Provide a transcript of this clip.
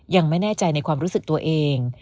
ยังไม่แน่ใจในความรู้สึกตัวเอง